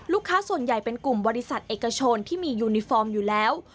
ส่วนใหญ่เป็นกลุ่มบริษัทเอกชนที่มียูนิฟอร์มอยู่แล้ว